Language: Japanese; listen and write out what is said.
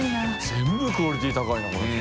全部クオリティー高いなこの人。